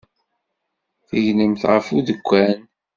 Tegnemt ɣef udekkan.